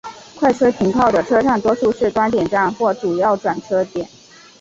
快车停靠的车站多数是端点站或主要转车点。